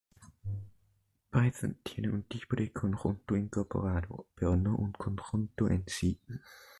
Python tiene un tipo de conjunto incorporado, pero no un conjunto en sí.